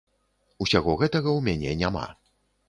Усяго гэтага ў мяне няма.